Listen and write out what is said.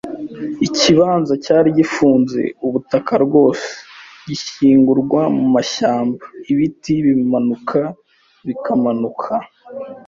Ikibanza cyari gifunze ubutaka rwose, gishyingurwa mumashyamba, ibiti bimanuka bikamanuka